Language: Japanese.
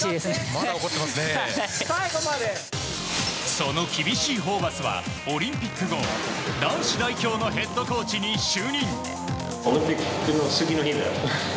その厳しいホーバスはオリンピック後男子代表のヘッドコーチに就任。